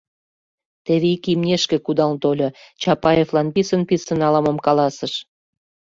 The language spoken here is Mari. Теве ик имнешке кудал тольо, Чапаевлан писын-писын ала-мом каласыш.